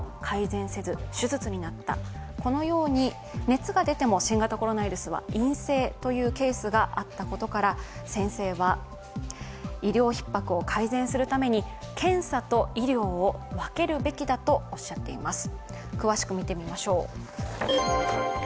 熱が出ても新型コロナウイルスは陰性というケースがあったことから先生は、医療ひっ迫を改善するために検査と医療を分けるべきだとおっしゃっています。